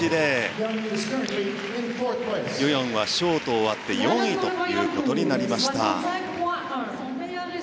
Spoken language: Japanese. ユ・ヨンはショート終わって４位ということになりました。